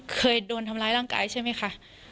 เคยโดนทำร้ายร่างกายใช่ไหมคะ